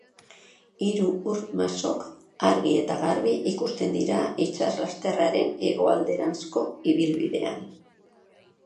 Hiru ur-masok argi eta garbi ikusten dira itsaslasterraren hegoalderanzko ibilbidean.